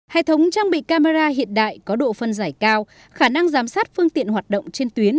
hệ thống trang bị camera hiện đại có độ phân giải cao khả năng giám sát phương tiện hoạt động trên tuyến